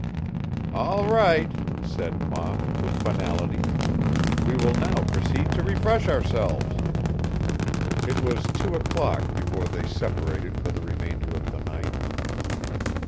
"All right," said ma, with finality; "we will now proceed to refresh ourselves." It was two o'clock before they separated for the remainder of the night.